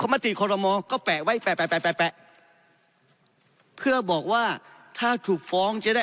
มติคอลโมก็แปะไว้แปะแปดแปดแปดแปะเพื่อบอกว่าถ้าถูกฟ้องจะได้